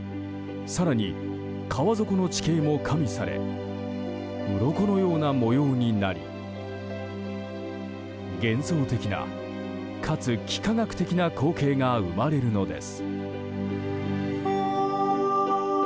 更に川底の地形も加味されうろこのような模様になり幻想的な、かつ幾何学的な光景が生まれるのです。